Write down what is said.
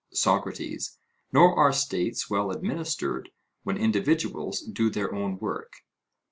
SOCRATES: Nor are states well administered, when individuals do their own work?